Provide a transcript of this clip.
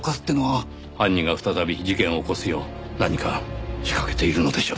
犯人が再び事件を起こすよう何か仕掛けているのでしょう。